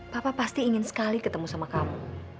papa pasti ingin sekali ketemu sama kamu